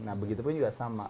nah begitu pun juga sama